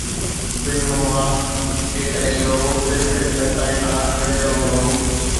بن هوما، جيڪڏهن اهو رزق جي گهٽتائي سان ڳنڍيل هوندو.